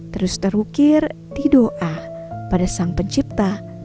terus terukir di doa pada sang pencipta